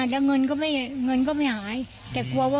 ใช่มันก้มบ้านง่ายเอง